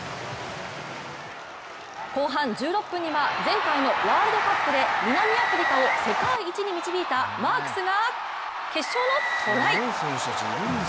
後半１６分には前回のワールドカップで南アフリカを世界一に導いたマークスが、決勝のトライ。